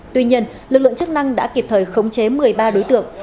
tuy nhiên lực lượng chức năng đã kịp thời khống chế một mươi ba đối tượng